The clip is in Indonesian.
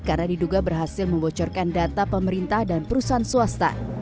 karena diduga berhasil membocorkan data pemerintah dan perusahaan swasta